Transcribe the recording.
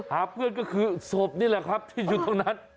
เพื่อนก็คือศพนี่แหละครับที่อยู่ตรงนั้น